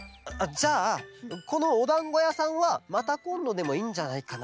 じゃあこのおだんごやさんはまたこんどでもいいんじゃないかな？